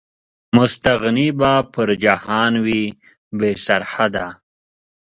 مستغني به پر جهان وي، بې سرحده